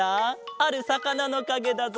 あるさかなのかげだぞ。